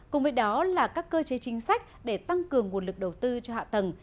cùng với đó là các cơ chế chính sách để tăng cường nguồn lực đầu tư cho hạ tầng